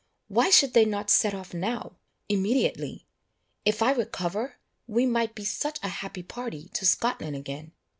Why should they not set off now? immediately! If I recover, we might be such a happy party to Scotland again.